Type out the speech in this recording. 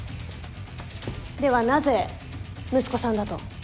ではなぜ息子さんだと？